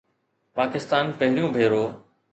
پاڪستان پهريون ڀيرو